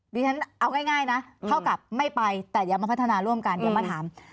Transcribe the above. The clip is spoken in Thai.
ดิฉันเอาง่ายนะเท่ากับไม่ไปแต่อย่ามาพัฒนาร่วมกันเดี๋ยวมาถาม